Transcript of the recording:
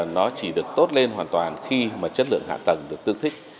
nó chỉ được tốt lên hoàn toàn khi mà chất lượng hạ tầng được tương thích